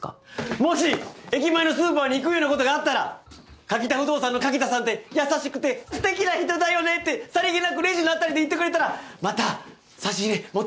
もし駅前のスーパーに行くようなことがあったら柿田不動産の柿田さんって優しくてステキな人だよねってさりげなくレジの辺りで言ってくれたらまた差し入れ持ってくるけど？